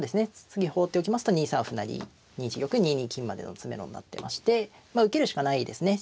次放っておきますと２三歩成２一玉２二金までの詰めろになってましてまあ受けるしかないですね。